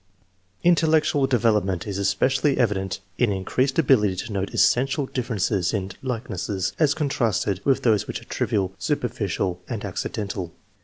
Intellectual development is especially evident in in creased ability to note essential differences and likenesses, as contrasted with those which are trivial, superficial, and accidental.